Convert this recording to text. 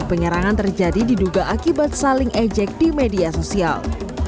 penyerangan terjadi diduga akibat saling ejek di media sosial